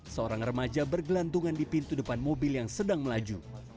seorang remaja bergelantungan di pintu depan mobil yang sedang melaju